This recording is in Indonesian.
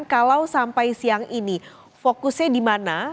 kalau sampai siang ini fokusnya di mana